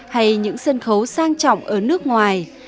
hay những sân khấu sang trọng ở nước ngoài